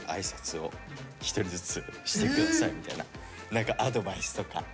何かアドバイスとか。